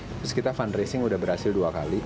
terus kita fundraising udah berhasil dua kali